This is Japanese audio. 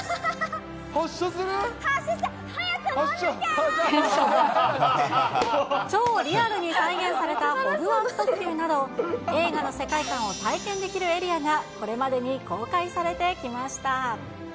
発車する、超リアルに再現されたホグワーツ特急など、映画の世界観を体験できるエリアがこれまでに公開されてきました。